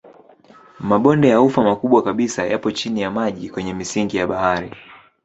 Mabonde ya ufa makubwa kabisa yapo chini ya maji kwenye misingi ya bahari.